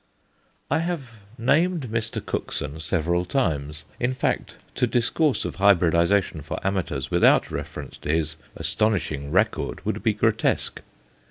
I have named Mr. Cookson several times; in fact, to discourse of hybridization for amateurs without reference to his astonishing "record" would be grotesque.